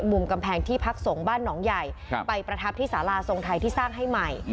มุมกำแพงที่พักสงฆ์บ้านหนองใหญ่ไปประทับที่สาราทรงไทยที่สร้างให้ใหม่